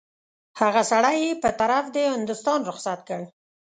هغه سړی یې په طرف د هندوستان رخصت کړ.